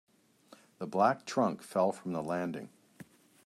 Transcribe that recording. The black trunk fell from the landing.